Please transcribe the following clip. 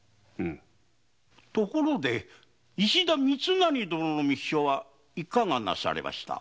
ところで石田三成殿の密書はいかがなされました？